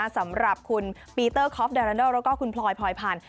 สำหรับคุณปีเตอร์คอฟดาราโดแล้วก็คุณพลอยพลอยพันธ